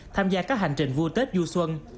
tham gia các hành trình vua tết du xuân